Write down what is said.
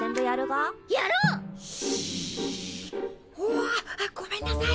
わっごめんなさい。